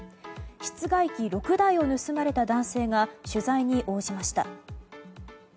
室外機６台を盗まれた男性が取材に応じました。